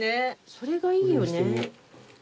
それがいいよね。